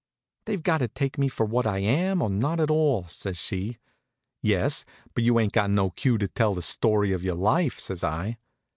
"They've got to take me for what I am, or not at all," says she. "Yes, but you ain't got no cue to tell the story of your life," says I.